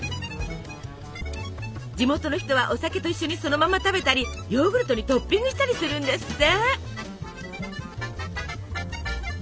地元の人はお酒と一緒にそのまま食べたりヨーグルトにトッピングしたりするんですって。